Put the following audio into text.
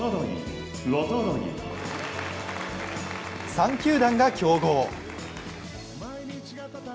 ３球団が競合。